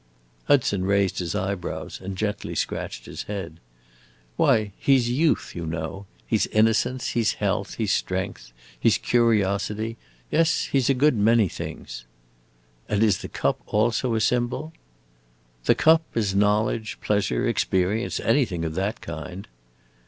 Hudson raised his eyebrows and gently scratched his head. "Why, he 's youth, you know; he 's innocence, he 's health, he 's strength, he 's curiosity. Yes, he 's a good many things." "And is the cup also a symbol?" "The cup is knowledge, pleasure, experience. Anything of that kind!"